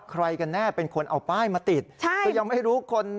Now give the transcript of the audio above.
ใครกันแน่เป็นคนเอาป้ายมาติดใช่คือยังไม่รู้คน